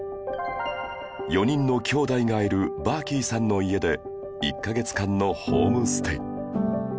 ４人の兄妹がいるバーキーさんの家で１カ月間のホームステイ